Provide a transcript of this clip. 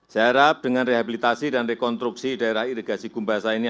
saya harap dengan rehabilitasi dan rekonstruksi daerah irigasi gumbasa ini